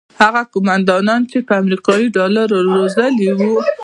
هغه قوماندانان چې پر امریکایي ډالرو روږدي وو.